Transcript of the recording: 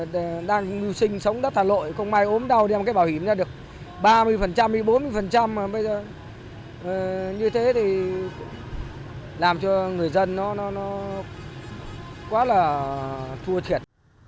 đang sinh sống đất thà lội không may ốm đau đem cái bảo hiểm ra được ba mươi hay bốn mươi mà bây giờ như thế thì làm cho người dân nó quá là thua thiệt